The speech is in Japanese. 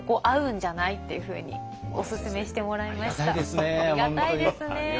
ありがたいですね。